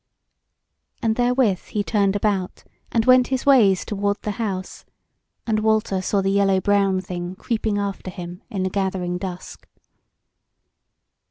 And therewith he turned about and went his ways toward the house; and Walter saw the yellow brown thing creeping after him in the gathering dusk.